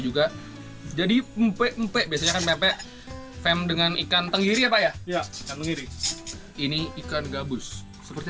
juga jadi mpe mpe biasanya kan mpe mpe dengan ikan tenggiri ya pak ya ini ikan gabus seperti